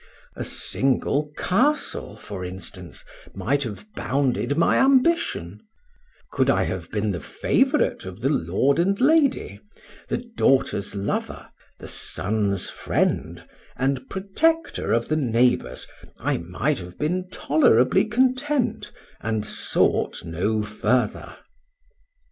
A single castle, for instance, might have bounded my ambition; could I have been the favorite of the lord and lady, the daughter's lover, the son's friend, and protector of the neighbors, I might have been tolerably content, and sought no further.